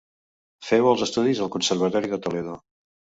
Feu els estudis al Conservatori de Toledo.